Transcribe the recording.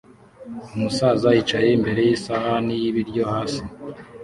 Umusaza yicaye imbere yisahani y'ibiryo hasi